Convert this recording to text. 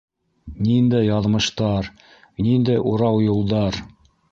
Ниндәй яҙмыштар, ниндәй урау юлдар...